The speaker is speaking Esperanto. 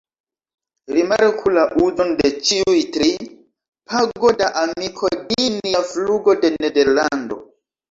Rimarku la uzon de ĉiuj tri: "pago da amiko di nia flugo de Nederlando".